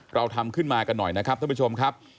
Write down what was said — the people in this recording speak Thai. เราทำขึ้นมากันหน่อยนะครับท่านผู้ชมครับ